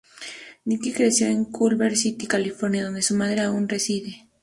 Nikki creció en Culver City, California, donde su madre aún reside.